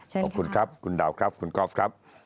ขอบคุณครับคุณดาวครับคุณกอล์ฟครับ